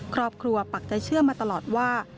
ครอบครัวปักใจเชื่อมาตลอดว่า